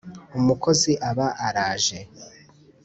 umukozi aba araje